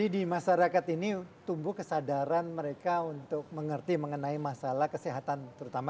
di masyarakat ini tumbuh kesadaran mereka untuk mengerti mengenai masalah kesehatan terutama